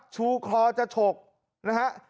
ชูคลอจะฉกนะครับ